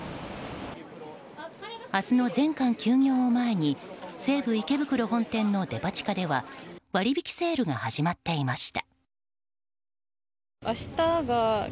明日の全館休業を前に西武池袋本店のデパ地下では割引セールが始まっていました。